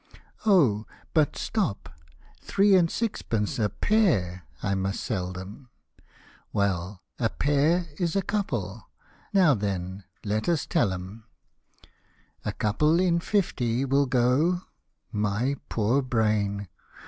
56 " O ! but stop three and sixpence a pair I must sell 'em ; Well, a pair is a couple now then let us tell 'em ; A couple in fifty will go (iny poor brain